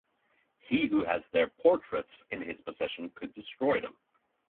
He who has their portraits in his possession could destroy them.